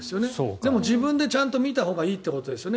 でも、自分でちゃんと見たほうがいいということですよね。